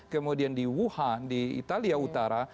kemudian di wuhan di italia utara